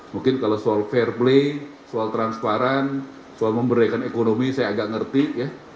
mungkin kalau soal fair play soal transparan soal memberikan ekonomi saya agak ngerti ya